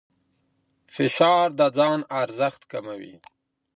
فشار د ځان ارزښت کموي.